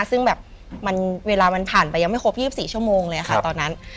ซึ่งแบบเวลามันผ่านไปยังไม่ครบ๒๔ชั่วโมงเลยค่ะตอนนั้น